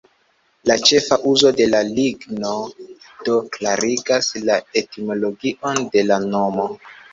La ĉefa uzo de la ligno do klarigas la etimologion de la nomo.